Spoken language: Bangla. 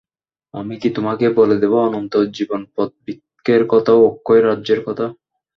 আমি কি তোমাকে বলে দেব অনন্ত জীবনপ্রদ বৃক্ষের কথা ও অক্ষয় রাজ্যের কথা?